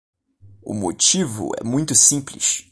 O motivo é muito simples.